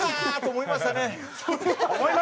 「思いましたね」